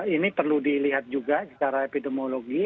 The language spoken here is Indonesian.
ini perlu dilihat juga secara epidemiologi